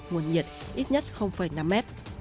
nguồn nhiệt ít nhất năm m